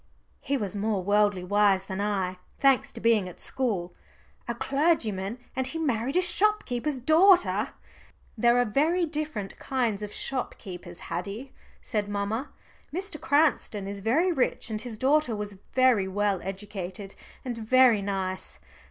He was more worldly wise than I, thanks to being at school. "A clergyman, and he married a shopkeeper's daughter." "There are very different kinds of shopkeepers, Haddie," said mamma. "Mr. Cranston is very rich, and his daughter was very well educated and very nice.